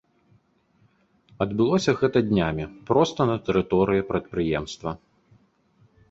Адбылося гэта днямі проста на тэрыторыі прадпрыемства.